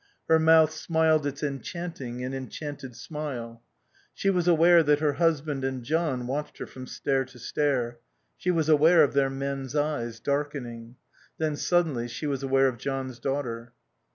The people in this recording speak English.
Her mouth smiled its enchanting and enchanted smile. She was aware that her husband and John watched her from stair to stair; she was aware of their men's eyes, darkening. Then suddenly she was aware of John's daughter.